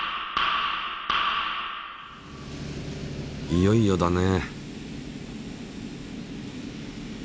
いよいよだね。